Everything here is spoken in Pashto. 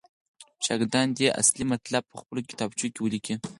شاګردان دې اصلي مطلب پخپلو کتابچو کې ولیکي.